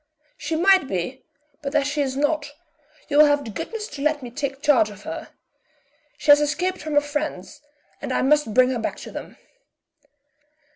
"She might be, but as she is not, you will have the goodness to let me take charge of her. She has escaped from her friends, and I must bring her back to them."